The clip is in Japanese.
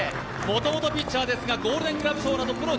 もともとピッチャーですが、ゴールデングラブ賞などプロ